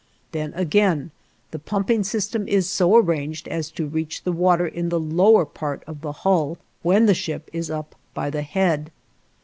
Then again, the pumping system is so arranged as to reach the water in the lower part of the hull when the ship is up by the head.